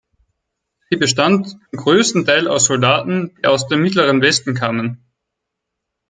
Sie bestand zum größten Teil aus Soldaten, die aus dem Mittleren Westen kamen.